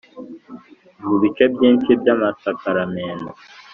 mu bice byinshi by’amasakramentu